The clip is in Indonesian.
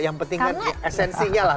yang penting kan esensinya lah